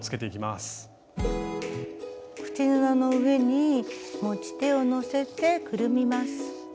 口布の上に持ち手をのせてくるみます。